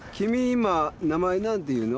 今名前なんていうの？